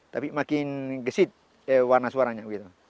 tapi makin gesit warna suaranya begitu